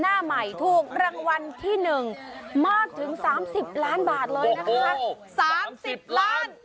หน้าใหม่ถูกรางวัลที่หนึ่งมากถึงสามสิบล้านบาทเลยนะคะสามสิบล้าน